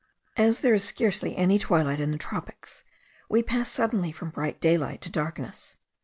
As there is scarcely any twilight in the tropics, we pass suddenly from bright daylight to darkness.